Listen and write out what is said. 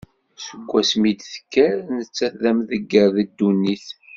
Seg wasmi i d-tekker, nettat d amdegger d ddunit.